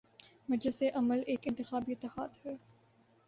مجلس عمل ایک انتخابی اتحاد ہے۔